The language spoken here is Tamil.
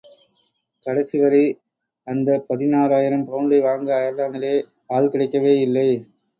கடைசிவரை அந்தப் பதினாயிரம் பவுண்டை வாங்க அயர்லாந்திலே ஆள்கிடைக்கவேயில்லை.